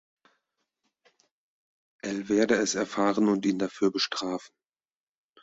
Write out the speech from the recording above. El werde es erfahren und ihn dafür bestrafen.